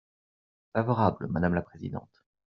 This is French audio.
Favorable, madame la présidente.